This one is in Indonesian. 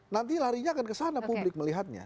nanti larinya akan kesana publik melihatnya